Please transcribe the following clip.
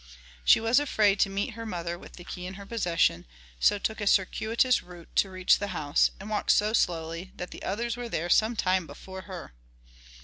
'" She was afraid to meet her mother with the key in her possession, so took so circuitous a route to reach the house, and walked so slowly that the others were there some time before her.